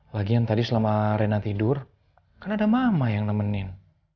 lagi yang tadi selama rena tidur kan ada mama yang nemenin